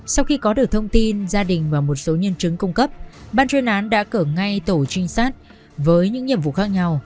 sau khi có được thông tin gia đình và một số nhân chứng cung cấp ban chuyên án đã cở ngay tổ trinh sát với những nhiệm vụ khác nhau